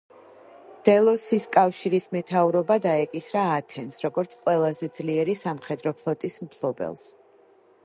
დელოსის კავშირის მეთაურობა დაეკისრა ათენს, როგორც ყველაზე ძლიერი სამხედრო ფლოტის მფლობელს.